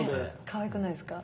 かわいくないですか？